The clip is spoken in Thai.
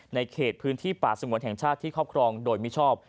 ในพื้นที่ป่าสงวนแห่งชาติที่ครอบครองโดยมิชอบ